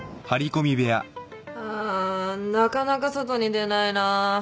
あなかなか外に出ないな。